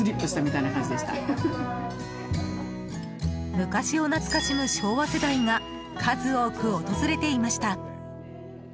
昔を懐かしむ昭和世代が数多く訪れていました。